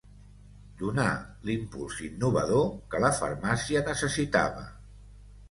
Donà l'impuls innovador que la farmàcia necessitava.